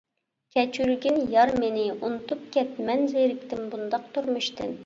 كەچۈرگىن يار مېنى ئۇنتۇپ كەت، مەن زېرىكتىم بۇنداق تۇرمۇشتىن.